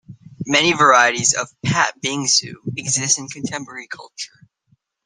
Many varieties of "patbingsu" exist in contemporary culture.